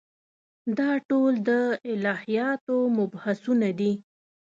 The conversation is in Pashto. دا ټول د الهیاتو مبحثونه دي.